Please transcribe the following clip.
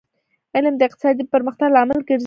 علم د اقتصادي پرمختګ لامل ګرځي